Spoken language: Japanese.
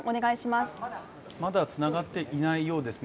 まだ、つながっていないようですね。